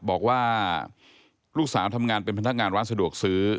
บอกว่าลูกสาวทำงานเป็นพนักงานร้านสะดวกซื้อ